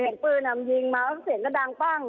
เห็นปืนอะมันยิงมาเสียงก็ดังปั้ง